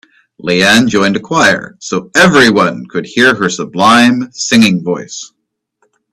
Leanne joined a choir so everyone could hear her sublime singing voice.